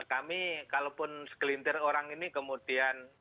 kami kalaupun segelintir orang ini kemudian